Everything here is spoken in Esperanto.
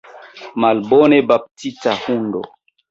Malbone baptita hundo!